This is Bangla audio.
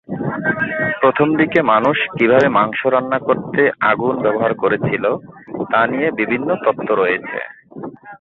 প্রথম দিকের মানুষ কীভাবে মাংস রান্না করতে আগুন ব্যবহার করেছিল তা নিয়ে বিভিন্ন তত্ত্ব রয়েছে।